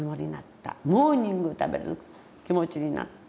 モーニング食べる気持ちになった。